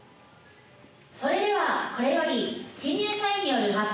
それではこれよりんっ？